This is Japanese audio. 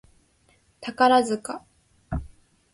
宝塚